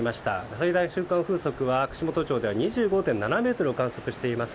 最大瞬間風速は串本町は２５．７メートルを観測しています。